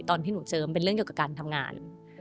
ตอนที่หนูเจอมันเป็นเรื่องเกี่ยวกับการทำงาน